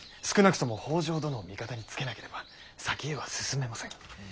少なくとも北条殿を味方につけなければ先へは進めません。